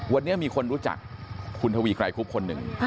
วันนี้มีคนรู้จักคุณทวีไกรคุบคนหนึ่ง